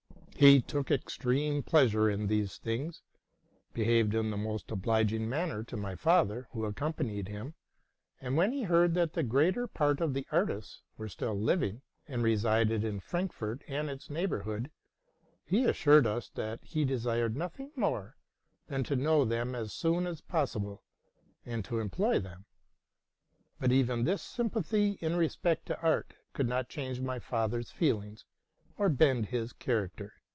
He took extreme pleasure in these things, behaved in the most obliging manner to my father, who accompanied him; and when he heard that the greater part of the artists were still living, and resided in Frankfort and its neighborhood, he assured us that he desired nothing more than to know them as soon as possible, and to employ them. But even this sympathy in respect to art could not change my father's feelings nor bend his character.